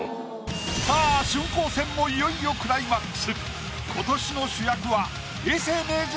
さぁ春光戦もいよいよクライマックス。